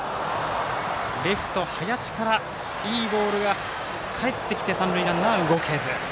レフト、林からいいボールが返ってきて三塁ランナー、動けず。